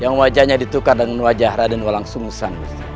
yang wajahnya ditukar dengan wajah raden walang sung sang